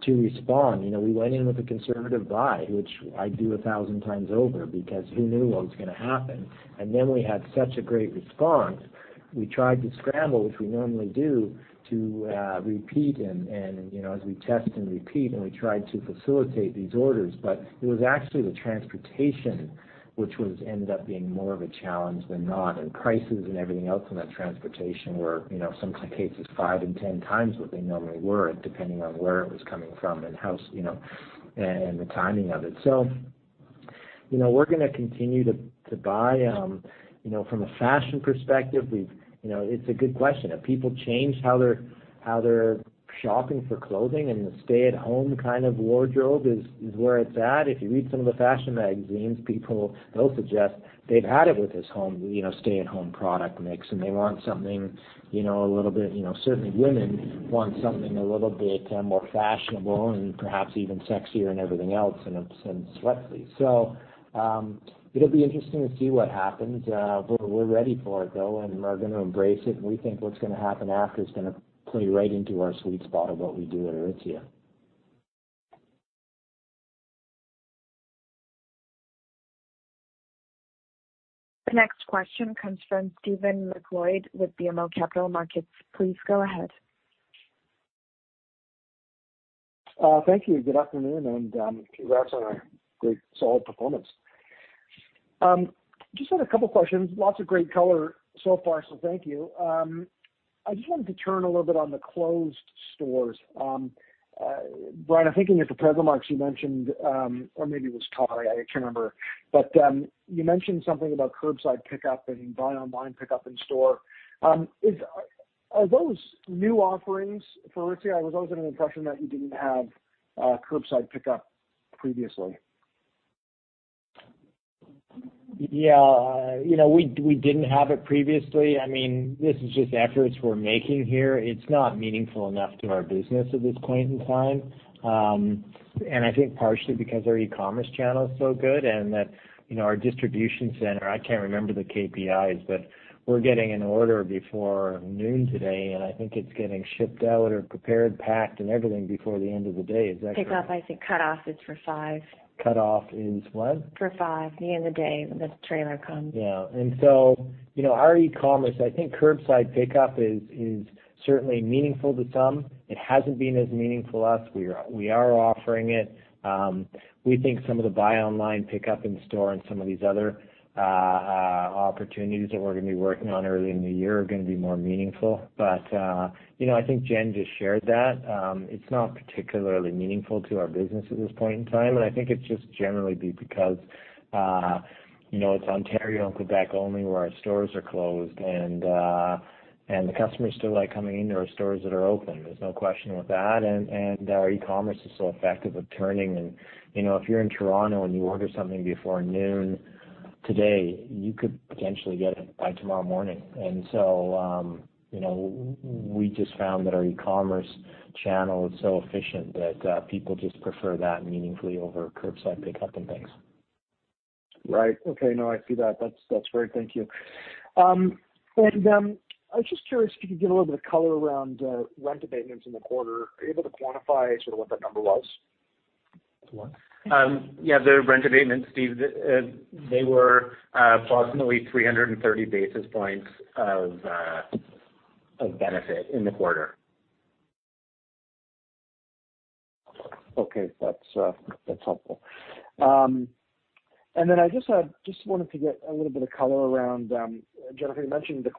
to respond. We went in with a conservative buy, which I'd do 1,000 times over because who knew what was going to happen? Then we had such a great response. We tried to scramble, which we normally do, to repeat and as we test and repeat, and we tried to facilitate these orders. It was actually the transportation, which ended up being more of a challenge than not, and prices and everything else in that transportation were, some cases, five and 10 times what they normally were, depending on where it was coming from and the timing of it. We're going to continue to buy. From a fashion perspective, it's a good question. Have people changed how they're shopping for clothing and the stay-at-home kind of wardrobe is where it's at? If you read some of the fashion magazines, people, they'll suggest they've had it with this stay-at-home product mix, and they want something. Certainly women want something a little bit more fashionable and perhaps even sexier and everything else than sweatsuits. It'll be interesting to see what happens. We're ready for it, though, and we're going to embrace it, and we think what's going to happen after is going to play right into our sweet spot of what we do at Aritzia. The next question comes from Stephen MacLeod with BMO Capital Markets. Please go ahead. Thank you. Good afternoon, and congrats on a great, solid performance. Just had a couple questions. Lots of great color so far, so thank you. I just wanted to turn a little bit on the closed stores. Brian, I think in your prepared remarks you mentioned, or maybe it was Todd, I can't remember, but you mentioned something about curbside pickup and buy online, pickup in store. Are those new offerings for Aritzia? I was always under the impression that you didn't have curbside pickup previously. Yeah. We didn't have it previously. This is just efforts we're making here. It's not meaningful enough to our business at this point in time. I think partially because our e-commerce channel is so good and that our distribution center, I can't remember the KPIs, but we're getting an order before noon today, and I think it's getting shipped out or prepared, packed, and everything before the end of the day. Is that correct? Pickup, I think cutoff is for 5:00. Cutoff is what? For 5:00 P.M., the end of day, when the trailer comes. Yeah. Our e-commerce, I think curbside pickup is certainly meaningful to some. It hasn't been as meaningful to us. We are offering it. We think some of the buy online, pickup in store and some of these other opportunities that we're going to be working on early in the year are going to be more meaningful. I think Jen just shared that. It's not particularly meaningful to our business at this point in time, and I think it's just generally because it's Ontario and Quebec only where our stores are closed, and the customers still like coming into our stores that are open. There's no question with that, and our e-commerce is so effective at turning, and if you're in Toronto and you order something before noon today, you could potentially get it by tomorrow morning. We just found that our e-commerce channel is so efficient that people just prefer that meaningfully over curbside pickup and things. Right. Okay. No, I see that. That's great. Thank you. I was just curious if you could give a little bit of color around rent abatements in the quarter. Are you able to quantify sort of what that number was? The rent abatements, Steve, they were approximately 330 basis points of benefit in the quarter. Okay. That's helpful. I just wanted to get a little bit of color around, Jennifer, you mentioned the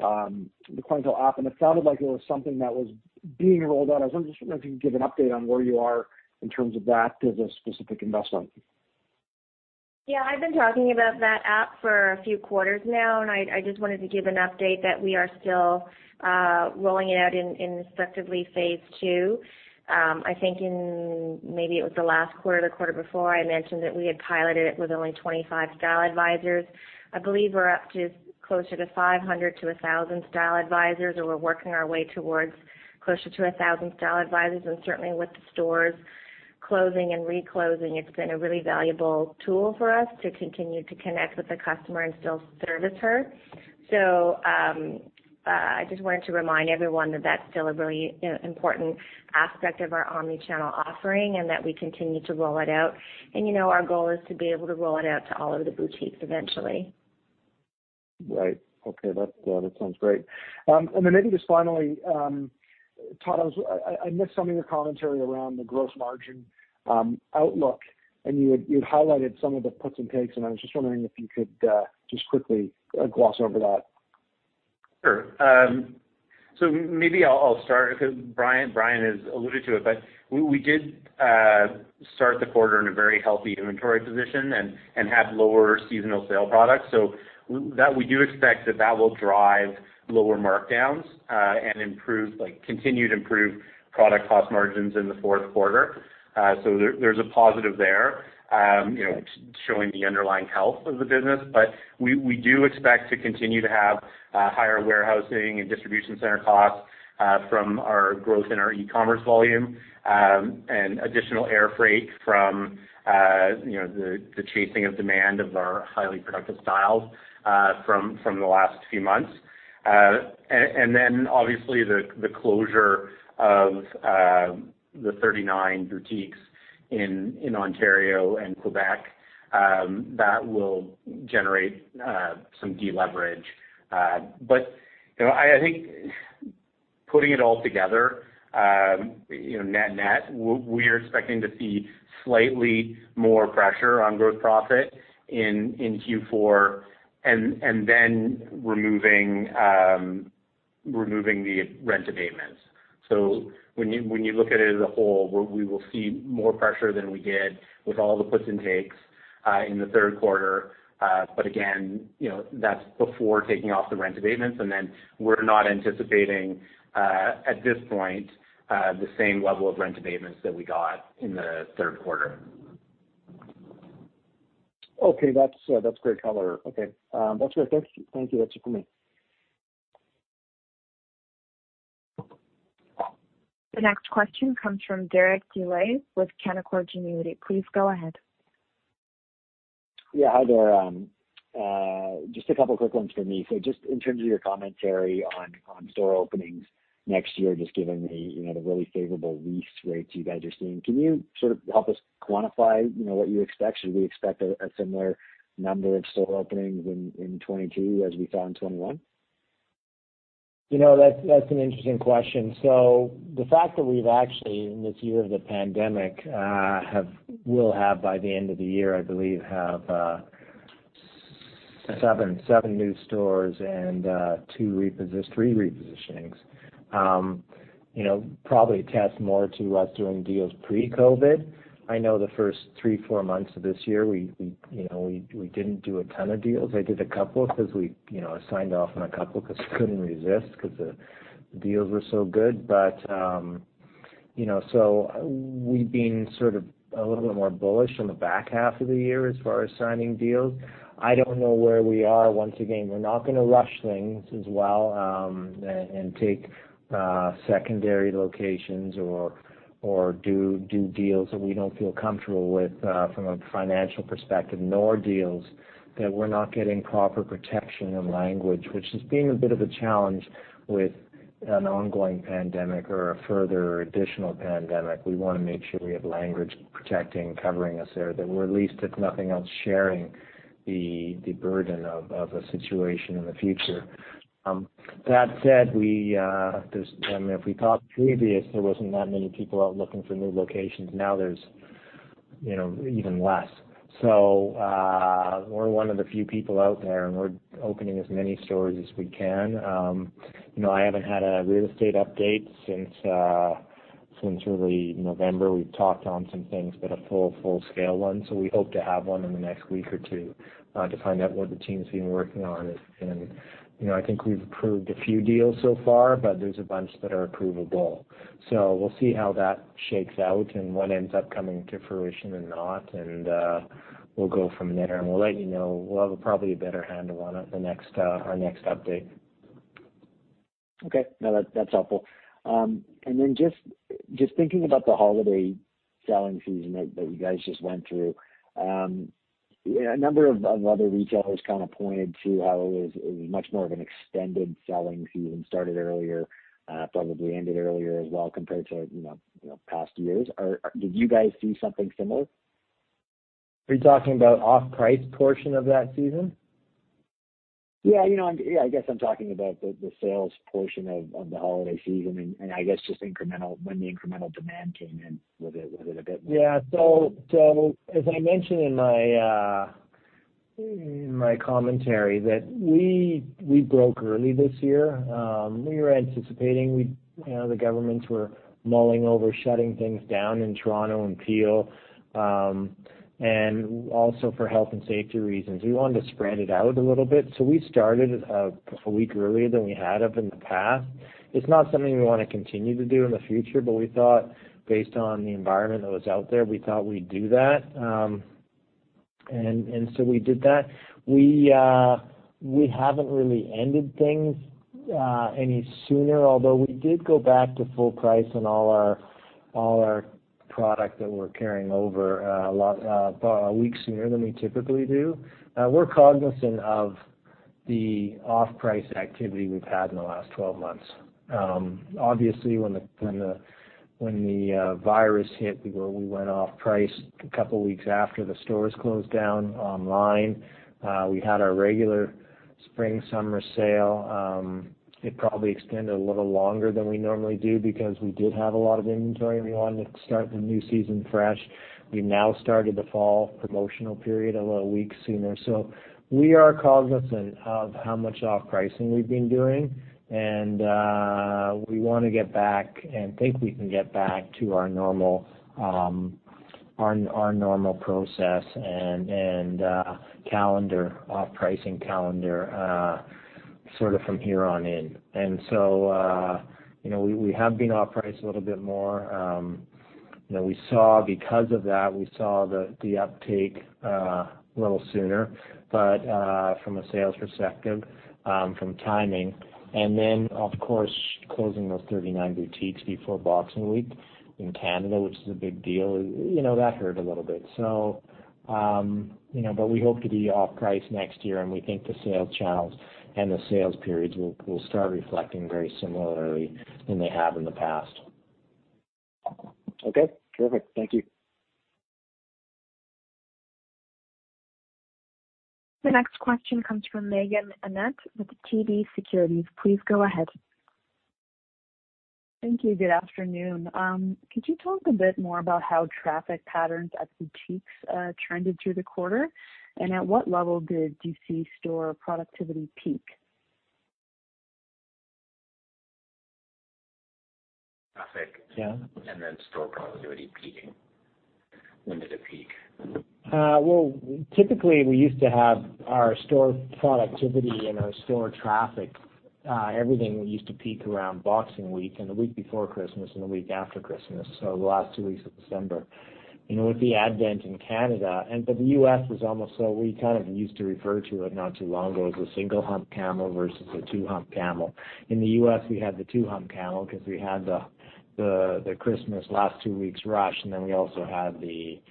Aritzia app, and it sounded like it was something that was being rolled out. I was wondering if you could give an update on where you are in terms of that as a specific investment. I've been talking about that app for a few quarters now, and I just wanted to give an update that we are still rolling it out in respectively phase II. I think in, maybe it was the last quarter, the quarter before, I mentioned that we had piloted it with only 25 style advisors. I believe we're up to closer to 500 to 1,000 style advisors, or we're working our way towards closer to 1,000 style advisors. Certainly with the stores closing and re-closing, it's been a really valuable tool for us to continue to connect with the customer and still service her. I just wanted to remind everyone that that's still a really important aspect of our omni-channel offering and that we continue to roll it out. Our goal is to be able to roll it out to all of the boutiques eventually. Right. Okay. That sounds great. Then maybe just finally, Todd, I missed some of your commentary around the gross margin outlook, and you had highlighted some of the puts and takes, and I was just wondering if you could just quickly gloss over that? Sure. Maybe I'll start because Brian has alluded to it, we did start the quarter in a very healthy inventory position and have lower seasonal sale products. That we do expect that will drive lower markdowns, and continued improved product cost margins in the fourth quarter. There's a positive there, showing the underlying health of the business. We do expect to continue to have higher warehousing and distribution center costs from our growth in our e-commerce volume, and additional air freight from the chasing of demand of our highly productive styles from the last few months. Then obviously the closure of the 39 boutiques in Ontario and Quebec, that will generate some deleverage. I think putting it all together, net net, we're expecting to see slightly more pressure on gross profit in Q4 and then removing the rent abatements. When you look at it as a whole, we will see more pressure than we did with all the puts and takes in the third quarter. Again, that's before taking off the rent abatements, and then we're not anticipating, at this point, the same level of rent abatements that we got in the third quarter. Okay. That's great color. Okay. That's great. Thank you. That's it for me. The next question comes from Derek Dley with Canaccord Genuity. Please go ahead. Yeah, hi there. Just a couple quick ones for me. Just in terms of your commentary on store openings next year, just given the really favorable lease rates you guys are seeing, can you sort of help us quantify what you expect? Should we expect a similar number of store openings in 2022 as we saw in 2021? That's an interesting question. The fact that we've actually, in this year of the pandemic, will have by the end of the year, I believe, have seven new stores and three repositionings, probably attests more to us doing deals pre-COVID. I know the first three, four months of this year, we didn't do a ton of deals. I did a couple because we signed off on a couple because we couldn't resist because the deals were so good. We've been sort of a little bit more bullish on the back half of the year as far as signing deals. I don't know where we are. Once again, we're not going to rush things as well, and take secondary locations or do deals that we don't feel comfortable with from a financial perspective, nor deals that we're not getting proper protection and language, which has been a bit of a challenge with an ongoing pandemic or a further additional pandemic. We want to make sure we have language protecting, covering us there, that we're at least, if nothing else, sharing the burden of a situation in the future. That said, if we talked previously, there weren't that many people out looking for new locations. There's even less. We're one of the few people out there, and we're opening as many stores as we can. I haven't had a real estate update since early November. We've talked on some things, but a full scale one. We hope to have one in the next week or two to find out what the team's been working on. I think we've approved a few deals so far, but there's a bunch that are approvable. We'll see how that shakes out and what ends up coming to fruition and not, and we'll go from there. We'll let you know, we'll have probably a better handle on it our next update. Okay. No, that's helpful. Just thinking about the holiday selling season that you guys just went through. A number of other retailers kind of pointed to how it was much more of an extended selling season, started earlier, probably ended earlier as well compared to past years. Did you guys see something similar? Are you talking about off-price portion of that season? Yeah, I guess I'm talking about the sales portion of the holiday season and I guess just when the incremental demand came in, was it a bit more-? Yeah. As I mentioned in my commentary that we broke early this year. We were anticipating, the governments were mulling over shutting things down in Toronto and Peel. Also for health and safety reasons, we wanted to spread it out a little bit. We started a week earlier than we had of in the past. It's not something we want to continue to do in the future, but we thought based on the environment that was out there, we thought we'd do that. We did that. We haven't really ended things any sooner, although we did go back to full price on all our product that we're carrying over a week sooner than we typically do. We're cognizant of the off-price activity we've had in the last 12 months. Obviously when the virus hit, we went off price a couple of weeks after the stores closed down online. We had our regular spring, summer sale. It probably extended a little longer than we normally do because we did have a lot of inventory and we wanted to start the new season fresh. We now started the fall promotional period a little week sooner. We are cognizant of how much off pricing we've been doing, and we want to get back and think we can get back to our normal process and off pricing calendar, sort of from here on in. We have been off price a little bit more. Because of that, we saw the uptake a little sooner from a sales perspective, from timing. Of course, closing those 39 boutiques before Boxing Week in Canada, which is a big deal. That hurt a little bit. We hope to be off price next year, and we think the sales channels and the sales periods will start reflecting very similarly than they have in the past. Okay, perfect. Thank you. The next question comes from Meaghan Annett with TD Securities. Please go ahead. Thank you. Good afternoon. Could you talk a bit more about how traffic patterns at boutiques trended through the quarter, and at what level did you see store productivity peak? Traffic and then store productivity peaking. When did it peak? Well, typically we used to have our store productivity and our store traffic, everything used to peak around Boxing Week and the week before Christmas and the week after Christmas. The last two weeks of December. With the advent in Canada, we kind of used to refer to it not too long ago as a single hump camel versus a two hump camel. In the U.S., we had the two hump camel because we had the Christmas last two weeks rush, then we also had the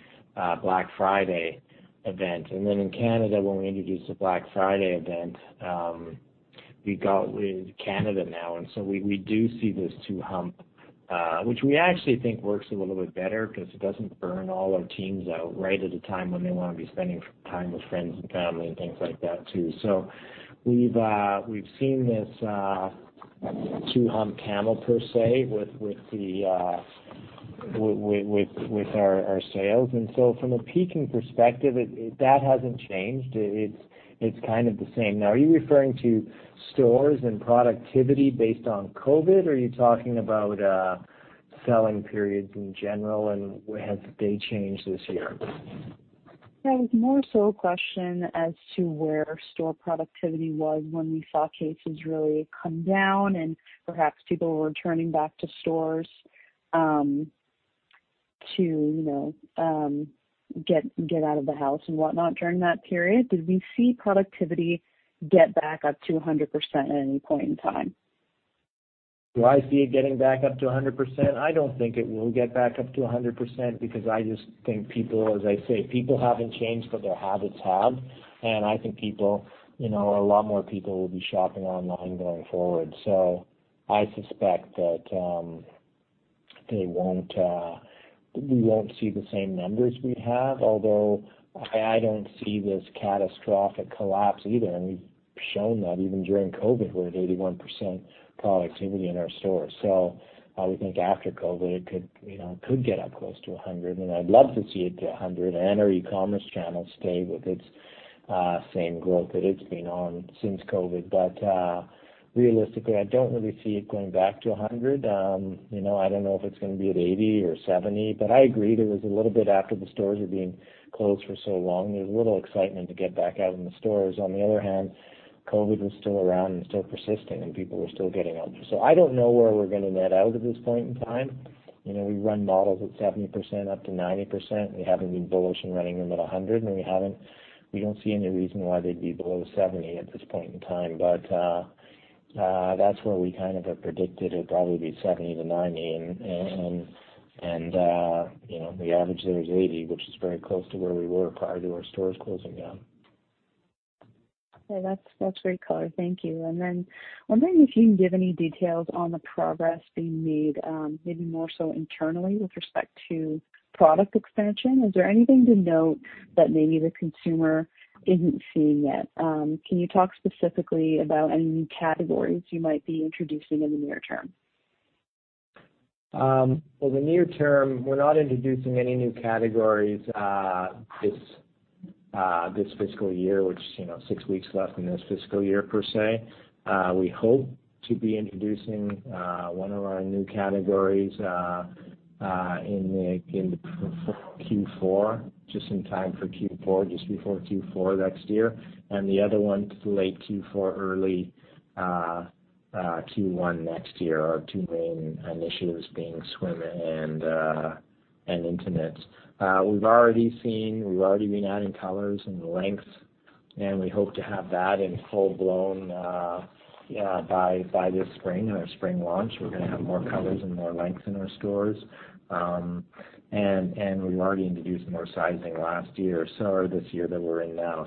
Black Friday event. Then in Canada, when we introduced the Black Friday event, we got with Canada now, so we do see this two hump Which we actually think works a little bit better because it doesn't burn all our teams out right at a time when they want to be spending time with friends and family and things like that, too. We've seen this two-hump camel per se with our sales. From a peaking perspective, that hasn't changed. It's kind of the same. Now, are you referring to stores and productivity based on COVID, or are you talking about selling periods in general and has they changed this year? It was more so a question as to where store productivity was when we saw cases really come down and perhaps people were returning back to stores to get out of the house and whatnot during that period. Did we see productivity get back up to 100% at any point in time? Do I see it getting back up to 100%? I don't think it will get back up to 100%, because I just think people, as I say, people haven't changed, but their habits have. I think a lot more people will be shopping online going forward. I suspect that we won't see the same numbers we'd have, although I don't see this catastrophic collapse either, and we've shown that even during COVID. We're at 81% productivity in our stores. I would think after COVID, it could get up close to 100, and I'd love to see it to 100 and our e-commerce channel stay with its same growth that it's been on since COVID. Realistically, I don't really see it going back to 100. I don't know if it's going to be at 80 or 70. I agree, there was a little bit after the stores were being closed for so long, there's a little excitement to get back out in the stores. On the other hand, COVID was still around and still persisting. People were still getting ill. I don't know where we're going to net out at this point in time. We run models at 70% up to 90%. We haven't been bullish in running them at 100. We don't see any reason why they'd be below 70 at this point in time. That's where we kind of have predicted it'd probably be 70 to 90. The average there is 80, which is very close to where we were prior to our stores closing down. Okay, that's very clear. Thank you. Wondering if you can give any details on the progress being made maybe more so internally with respect to product expansion? Is there anything to note that maybe the consumer isn't seeing yet? Can you talk specifically about any new categories you might be introducing in the near term? Well, the near term, we're not introducing any new categories this fiscal year, which is six weeks left in this fiscal year per se. We hope to be introducing one of our new categories just before Q4 next year, the other one late Q4, early Q1 next year. Our two main initiatives being swim and intimates. We've already been adding colors and lengths, we hope to have that in full blown by this spring, in our spring launch. We're going to have more colors and more lengths in our stores. We've already introduced more sizing last year, this year that we're in now.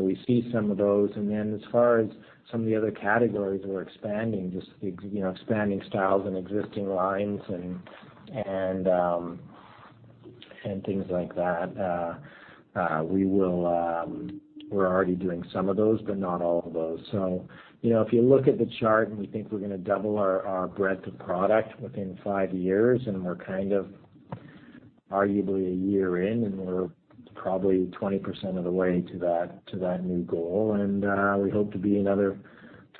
We see some of those. As far as some of the other categories we're expanding, just expanding styles and existing lines and things like that. We're already doing some of those, not all of those. If you look at the chart and we think we're going to double our breadth of product within five years, and we're kind of arguably a year in, and we're probably 20% of the way to that new goal, and we hope to be another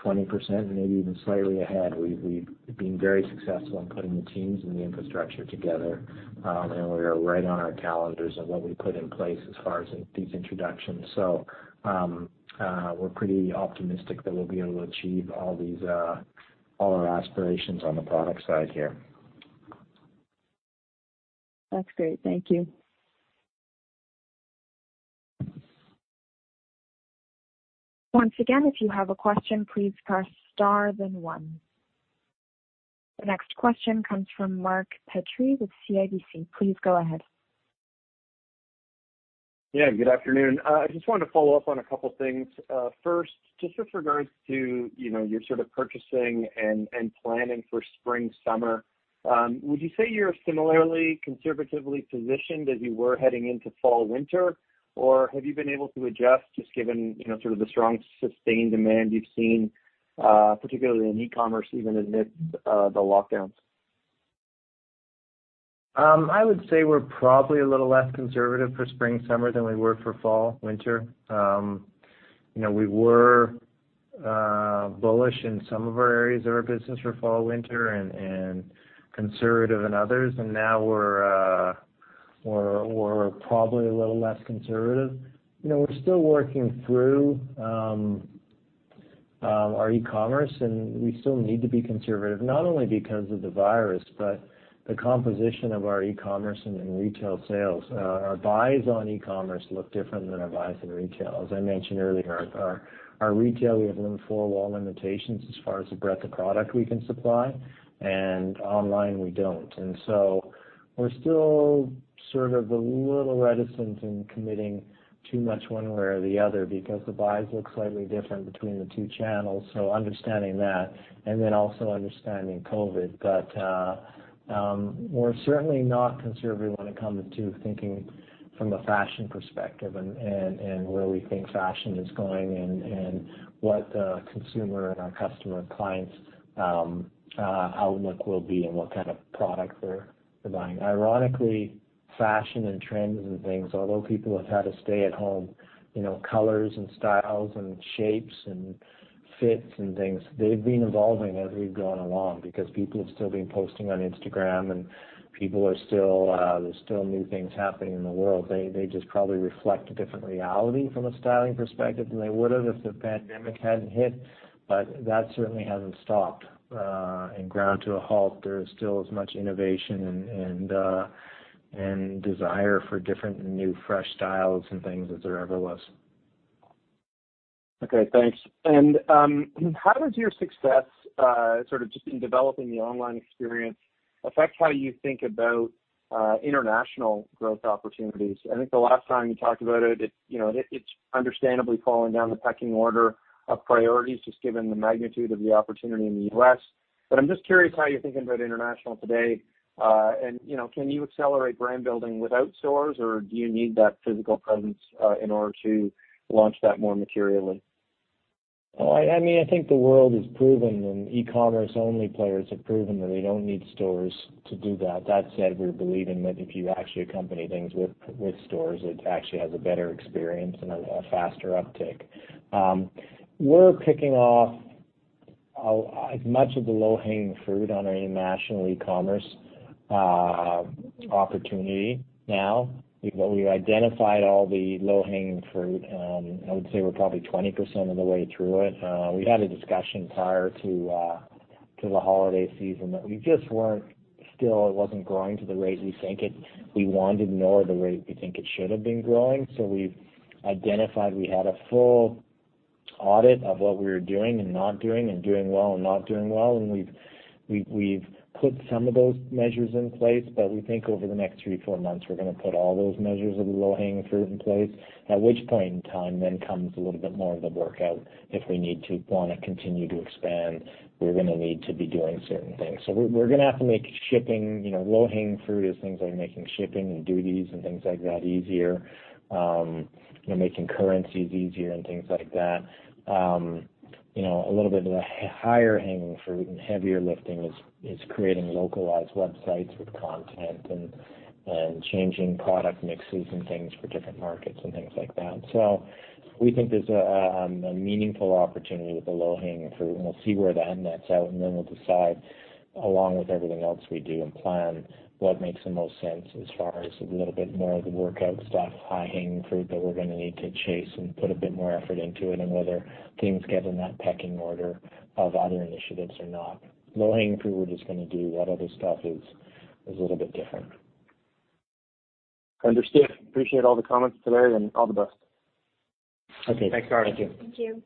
20%, maybe even slightly ahead. We've been very successful in putting the teams and the infrastructure together, and we are right on our calendars of what we put in place as far as these introductions. We're pretty optimistic that we'll be able to achieve all our aspirations on the product side here. That's great. Thank you. Once again, if you have a question, please press star then one. The next question comes from Mark Petrie with CIBC. Please go ahead. Yeah, good afternoon. I just wanted to follow up on a couple things. First, just with regards to your sort of purchasing and planning for spring/summer, would you say you're similarly conservatively positioned as you were heading into fall/winter, or have you been able to adjust just given sort of the strong sustained demand you've seen, particularly in e-commerce, even amid the lockdowns? I would say we're probably a little less conservative for spring/summer than we were for fall/winter. We were bullish in some of our areas of our business for fall/winter and conservative in others. Now we're probably a little less conservative. We're still working through our e-commerce, and we still need to be conservative, not only because of the virus, but the composition of our e-commerce and retail sales. Our buys on e-commerce look different than our buys in retail. As I mentioned earlier, our retail, we have four wall limitations as far as the breadth of product we can supply. Online, we don't. We're still sort of a little reticent in committing too much one way or the other, because the buys look slightly different between the two channels, so understanding that, and then also understanding COVID. We're certainly not conservative when it comes to thinking from a fashion perspective and where we think fashion is going and what the consumer and our customer and clients' outlook will be and what kind of product they're buying. Ironically, fashion and trends and things, although people have had to stay at home, colors and styles and shapes and fits and things, they've been evolving as we've gone along, because people have still been posting on Instagram, and there's still new things happening in the world. They just probably reflect a different reality from a styling perspective than they would've if the pandemic hadn't hit. That certainly hasn't stopped and ground to a halt. There's still as much innovation and desire for different new, fresh styles and things as there ever was. Okay, thanks. How does your success just in developing the online experience affect how you think about international growth opportunities? I think the last time you talked about it's understandably fallen down the pecking order of priorities, just given the magnitude of the opportunity in the U.S. I'm just curious how you're thinking about international today. Can you accelerate brand building without stores, or do you need that physical presence in order to launch that more materially? I think the world has proven, and e-commerce only players have proven that they don't need stores to do that. That said, we believe in that if you actually accompany things with stores, it actually has a better experience and a faster uptick. We're kicking off as much of the low-hanging fruit on our international e-commerce opportunity now. We've identified all the low-hanging fruit, and I would say we're probably 20% of the way through it. We had a discussion prior to the holiday season that it wasn't growing to the rate we wanted nor the rate we think it should have been growing. We've identified, we had a full audit of what we were doing and not doing and doing well and not doing well, and we've put some of those measures in place. We think over the next three to four months, we're going to put all those measures of the low-hanging fruit in place, at which point in time comes a little bit more of the workout if we want to continue to expand, we're going to need to be doing certain things. Low-hanging fruit is things like making shipping and duties and things like that easier, making currencies easier and things like that. A little bit of the higher hanging fruit and heavier lifting is creating localized websites with content and changing product mixes and things for different markets and things like that. We think there's a meaningful opportunity with the low-hanging fruit, and we'll see where that nets out, and then we'll decide, along with everything else we do and plan, what makes the most sense as far as a little bit more of the workout stuff, high hanging fruit that we're going to need to chase and put a bit more effort into it and whether things get in that pecking order of other initiatives or not. Low-hanging fruit, we're just going to do. What other stuff is a little bit different. Understood. Appreciate all the comments today, and all the best. Okay. Thanks, Mark. Thank you. Thank you.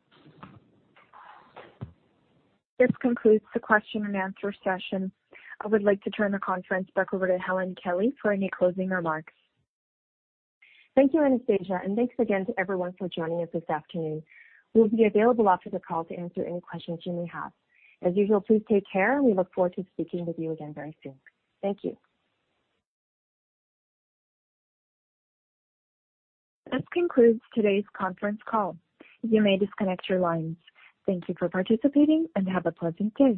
This concludes the question and answer session. I would like to turn the conference back over to Helen Kelly for any closing remarks. Thank you, Anastasia, and thanks again to everyone for joining us this afternoon. We'll be available after the call to answer any questions you may have. As usual, please take care, and we look forward to speaking with you again very soon. Thank you. This concludes today's conference call. You may disconnect your lines. Thank you for participating and have a pleasant day.